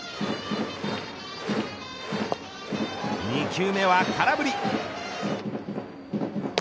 ２球目は空振り。